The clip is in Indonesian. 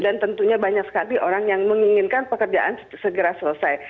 dan tentunya banyak sekali orang yang menginginkan pekerjaan segera selesai